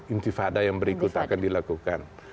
intifada yang berikut akan dilakukan